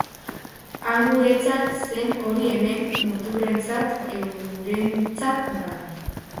Han guretzat zen hori hemen muturrentzat eurentzat da.